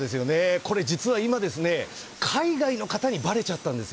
これ実は今海外の方にばれちゃったんです。